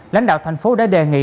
lãnh đạo thành phố đã đề nghị